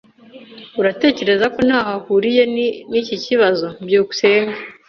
Uratekereza ko ntaho ahuriye niki kibazo? byukusenge